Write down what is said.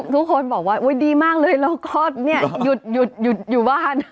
ทุกคนบอกว่าดีมากเลยเราก็เนี่ยหยุดอยู่บ้าน